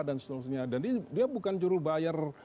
dan seterusnya jadi dia bukan jurubayar